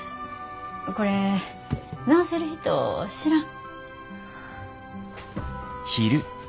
これ直せる人知らん？